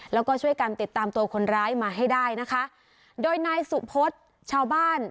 แล้วก็ช่วยกันติดตามตัวคนร้ายมาให้ได้นะคะโดยนายสุพศชาวบ้าน